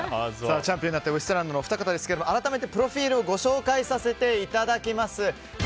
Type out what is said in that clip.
チャンピオンになったウエストランドのお二人ですけども改めてプロフィールをご紹介させていただきます。